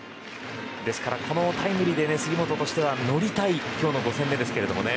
ですから、このタイムリーで杉本としては乗りたい今日の５戦目ですが。